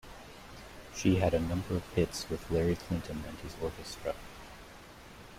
She had a number of hits with Larry Clinton and his Orchestra.